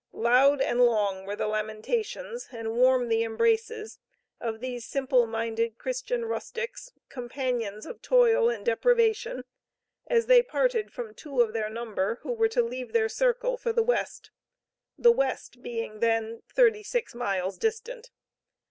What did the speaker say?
Loud and long were the lamentations, and warm the embraces of these simple minded Christian rustics, companions of toil and deprivation, as they parted from two of their number who were to leave their circle for the West; the West being then thirty six miles distant.